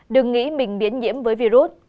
đừng nghĩ mình biến nhiễm với virus